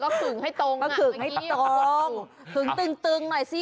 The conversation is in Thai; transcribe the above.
เราคึงให้ตรงมาคืกให้ตรงคึงตึ๋นตึกหน่อยสิ